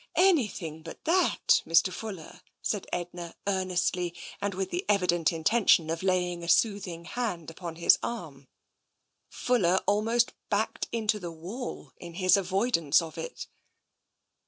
" Anything but that, Mr. Fuller," said Edna earn estly, and with the evident intention of laying a sooth ing hand upon his arm. Fuller almost backed into the wall in his avoidance of it.